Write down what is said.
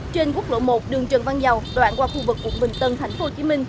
trên quốc lộ một đường trần văn dầu đoạn qua khu vực quận bình tân thành phố hồ chí minh